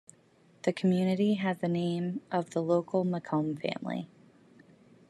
The community has the name of the local Macomb family.